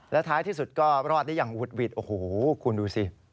และท้ายที่สุดก็รอดได้อย่างหุดหวิดโอ้โหคุณดูสิ